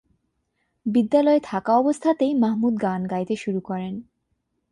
বিদ্যালয়ে থাকা অবস্থাতেই মাহমুদ গান গাইতে শুরু করেন।